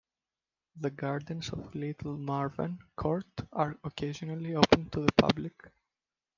The gardens of Little Malvern court are occasionally open to the public.